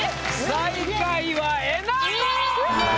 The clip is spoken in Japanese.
最下位はえなこ！